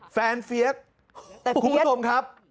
เฟียสคุณผู้ชมครับ